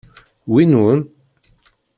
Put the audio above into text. Wi nwen?